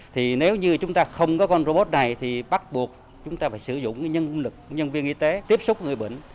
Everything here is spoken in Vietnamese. thì nếu như chúng ta không có con robot này thì bắt buộc chúng ta phải sử dụng nhân viên y tế tiếp xúc người bệnh